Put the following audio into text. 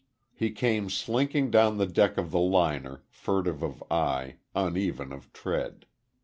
He came slinking down the deck of the liner, furtive of eye, uneven of tread.